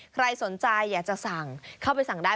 ใครสนใจอยากจะสั่งเข้าไปสั่งได้